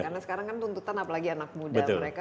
karena sekarang kan tuntutan apalagi anak muda mereka